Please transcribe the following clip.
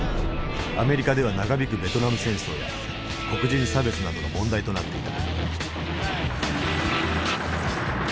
アメリカでは長引くベトナム戦争や黒人差別などが問題となっていた。